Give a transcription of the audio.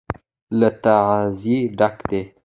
له تبعيضه ډک دى.